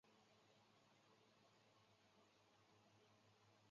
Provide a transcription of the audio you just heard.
当时的黄兴家在当地属于富裕家门。